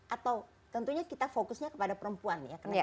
atau tentunya kita fokusnya kepada perempuan ya